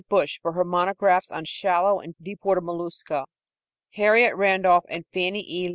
Bush for her monographs on shallow and deep water molusca; Harriet Randolph and Fannie E.